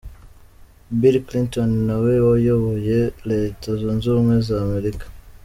Bill Clinton nawe wayoboye Leta Zunze Ubumwe za Amerika.